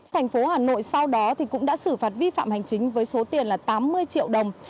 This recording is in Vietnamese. thành phố hà nội sau đó cũng đã xử phạt vi phạm hành chính với số tiền là tám mươi triệu đồng